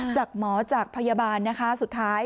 จากหมอจากพยาบาลนะคะสุดท้าย